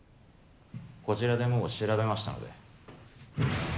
こちらでもう調べましたので。